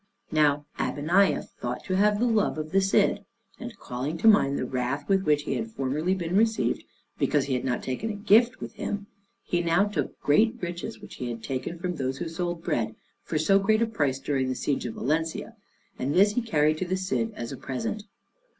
Now Abeniaf thought to have the love of the Cid; and calling to mind the wrath with which he had formerly been received, because he had not taken a gift with him, he took now great riches which he had taken from those who sold bread for so great a price during the siege of Valencia, and this he carried to the Cid as a present.